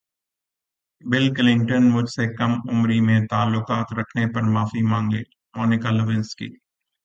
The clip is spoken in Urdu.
بل کلنٹن مجھ سے کم عمری میں تعلقات رکھنے پر معافی مانگیں مونیکا لیونسکی